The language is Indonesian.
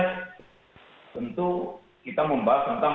tentu kita membahas tentang